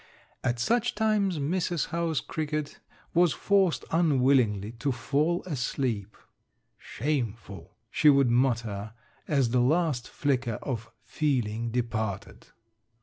At such times Mrs. House Cricket was forced unwillingly to fall asleep. "Shameful!" she would mutter, as the last flicker of feeling departed.